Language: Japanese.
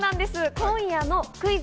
今夜の『クイズ！